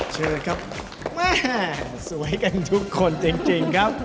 เชิญครับแม่สวยกันทุกคนจริงครับ